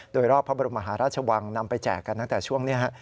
โดยรอบพระบรมมหาราชวังนำไปแจกกันตั้งแต่ช่วงนี้ฮะ